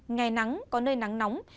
ngày nắng có nơi nắng nóng